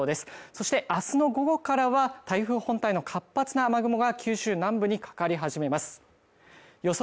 そして明日の午後からは台風本体の活発な雨雲が九州南部にかかり始めます予想